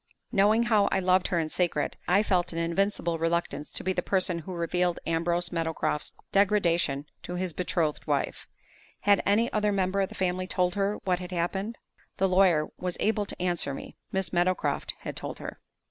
Knowing how I loved her in secret, I felt an invincible reluctance to be the person who revealed Ambrose Meadowcroft's degradation to his betrothed wife. Had any other member of the family told her what had happened? The lawyer was able to answer me; Miss Meadowcroft had told her.